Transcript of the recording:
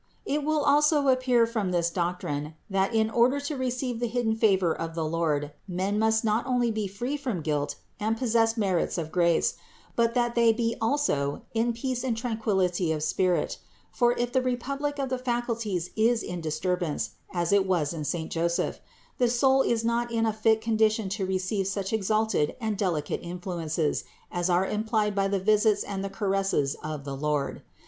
402. It will also appear from this doctrine, that, in order to receive the hidden favor of the Lord, men must not only be free from guilt and possess merits and grace, but that they be also in peace and tranquillity of spirit ; for if the republic of the faculties is in disturbance (as it was in saint Joseph), the soul is not in a fit condition to receive such exalted and delicate influences as are im plied by the visits and the caresses of the Lord.